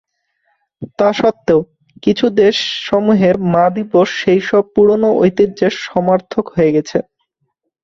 তা সত্ত্বেও, কিছু দেশসমূহে মা দিবস সেই সব পুরোনো ঐতিহ্যের সমার্থক হয়ে গেছে।